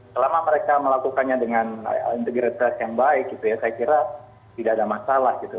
selama mereka melakukannya dengan integritas yang baik gitu ya saya kira tidak ada masalah gitu